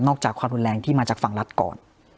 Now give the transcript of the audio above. จากความรุนแรงที่มาจากฝั่งรัฐก่อน